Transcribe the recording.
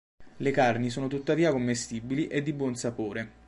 Le carni sono tuttavia commestibili e di buon sapore.